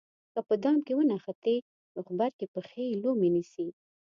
که په دام کې ونښتې نو غبرګې پښې یې لومې نیسي.